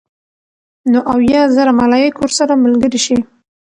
نو اويا زره ملائک ورسره ملګري شي